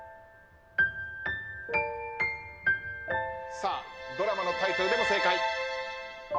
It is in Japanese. さあドラマのタイトルでも正解。